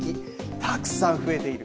たくさん増えている。